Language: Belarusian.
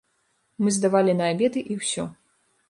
Мы здавалі на абеды, і ўсё.